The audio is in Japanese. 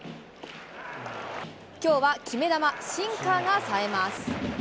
きょうは決め球、シンカーがさえます。